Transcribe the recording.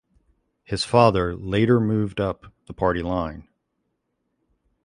His father later moved up the party line.